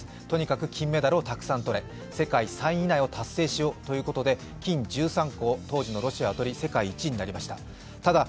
とにかく金メダルをたくさんとれ、世界３位以内を達成しろということで金１３個、当時のロシアは取り世界１位となりました。